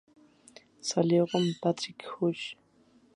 Salió con Patrick Hughes.